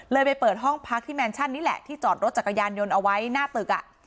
ไปเปิดห้องพักที่แมนชั่นนี่แหละที่จอดรถจักรยานยนต์เอาไว้หน้าตึกอ่ะ